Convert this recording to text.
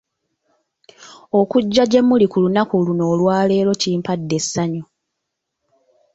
Okujja gye muli ku lunaku luno olwaleero kimpadde essanyu.